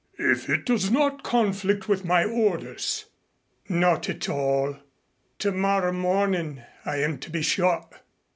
"If it does not conflict with my orders." "Not at all. Tomorrow morning I am to be shot.